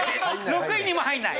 ６位にも入らない。